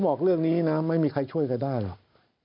บอกเรื่องนี้นะไม่มีใครช่วยใครได้หรอก